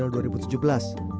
sejak april dua ribu tujuh belas